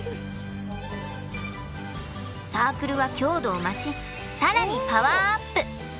サークルは強度を増し更にパワーアップ！